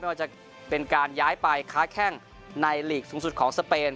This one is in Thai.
ว่าจะเป็นการย้ายไปค้าแข้งในหลีกสูงสุดของสเปน